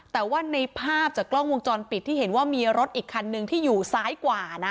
แต่ว่าในภาพจากกล้องวงจรปิดที่เห็นว่ามีรถอีกคันนึงที่อยู่ซ้ายกว่านะ